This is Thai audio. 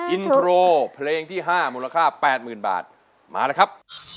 อินโทรเพลงที่๕มูลค่า๘๐๐๐บาทมาเลยครับ